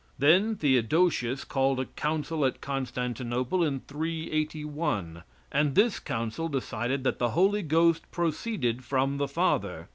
Then Theodosius called a council at Constantinople in 381, and this council decided that the Holy Ghost proceeded from the Father.